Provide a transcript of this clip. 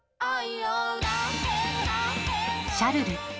「シャルル」。